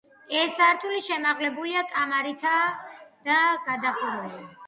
ეს სართული შემაღლებული კამარითაა გადახურული.